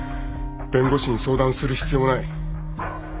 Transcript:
弁護士に相談する必要もない。